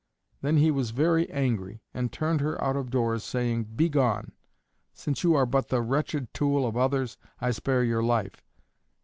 Then he was very angry and turned her out of doors, saying, "Begone; since you are but the wretched tool of others, I spare your life."